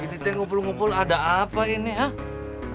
ini teh ngumpul ngumpul ada apa ini ha